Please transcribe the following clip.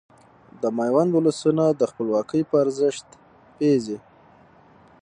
د ميوند ولسونه د خپلواکۍ په ارزښت پوهيږي .